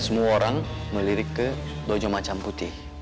semua orang melirik ke bocah macam putih